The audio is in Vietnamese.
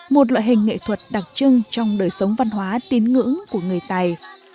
một loại hình nghệ thuật đặc trưng trong đời sống văn hóa tín ngưỡng của người tài